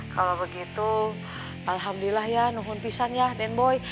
kalau begitu alhamdulillah ya nunghun pisan ya den boy